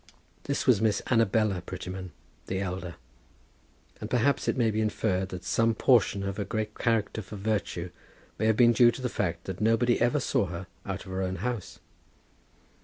This was Miss Annabella Prettyman, the elder; and perhaps it may be inferred that some portion of her great character for virtue may have been due to the fact that nobody ever saw her out of her own house.